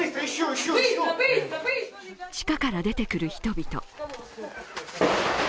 地下から出てくる人々。